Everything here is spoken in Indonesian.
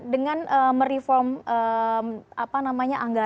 dengan mereform anggaran ke depannya